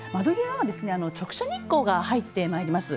直射日光が入ってまいります。